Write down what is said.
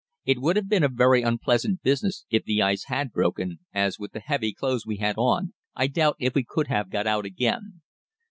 It would have been a very unpleasant business if the ice had broken, as, with the heavy clothes we had on, I doubt if we could have got out again.